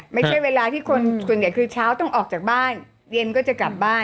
ไม่ใช่เวลาที่คนส่วนใหญ่คือเช้าต้องออกจากบ้านเย็นก็จะกลับบ้าน